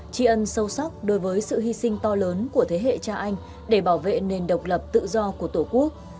tri ân sâu sắc đối với sự hy sinh to lớn của thế hệ cha anh để bảo vệ nền độc lập tự do của tổ quốc